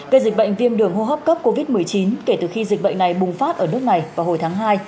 gây dịch bệnh viêm đường hô hấp cấp covid một mươi chín kể từ khi dịch bệnh này bùng phát ở nước này vào hồi tháng hai